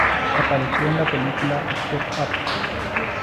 Apareció en la película "Step Up".